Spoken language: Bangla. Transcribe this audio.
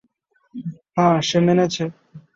হা, সে মেনেছে।